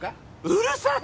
うるさい！